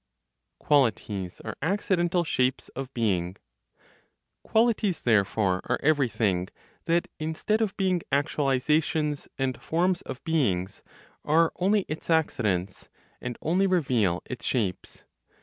QUALITIES ARE ACCIDENTAL SHAPES OF BEING. Qualities, therefore, are everything that, instead of being actualizations and forms of beings, are only its accidents, and only reveal its shapes.